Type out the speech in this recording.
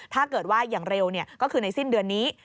ถ้าเกิดว่าอย่างเร็วก็คือในสิ้นเดือนนี้